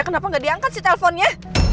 kenapa nggak diangkat sih telponnya